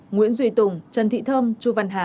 nguyễn duy tùng trần thị thơm chu văn hà